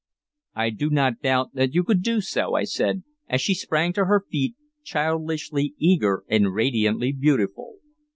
"I do not doubt that you could do so," I said, as she sprang to her feet, childishly eager and radiantly beautiful.